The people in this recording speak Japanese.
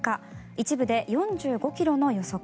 一部で４５ｋｍの予測。